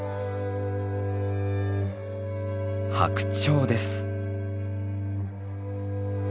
ハクチョウです。